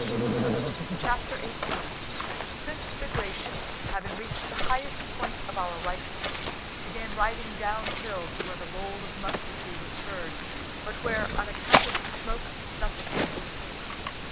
CHAPTER XVIII Prince Bagratión, having reached the highest point of our right flank, began riding downhill to where the roll of musketry was heard but where on account of the smoke nothing could be seen.